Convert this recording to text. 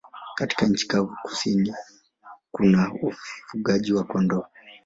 Katika nchi kavu ya kusini kuna ufugaji wa kondoo.